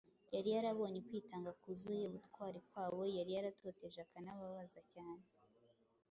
Yari yarabonye ukwitanga kuzuye ubutwari kw’abo yari yaratoteje akanabababaza cyane.